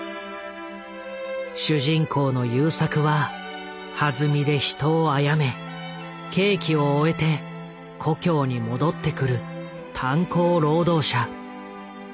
主人公の勇作ははずみで人をあやめ刑期を終えて故郷に戻ってくる炭鉱労働者。